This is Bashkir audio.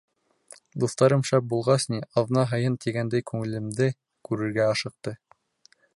Дуҫтарым шәп булғас ни, аҙна һайын тигәндәй күңелемде күрергә ашыҡты.